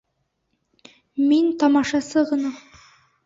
Мин тамашасы ғына.